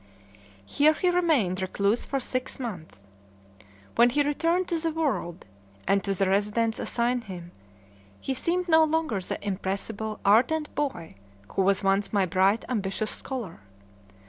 Here he remained recluse for six months. When he returned to the world, and to the residence assigned him, he seemed no longer the impressible, ardent boy who was once my bright, ambitious scholar.